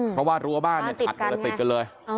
เพราะว่ารั้วบ้านเนี่ยถัดคนละติดกันเลย